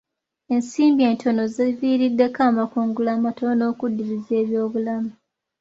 Ensimbi entono ziviiriddeko amakungula amatono n'okuddiriza ebyobulimi.